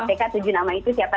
kpk tujuh nama itu siapa